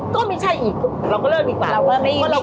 ก็ไม่ใช่อีกเราก็เลิกดีกว่า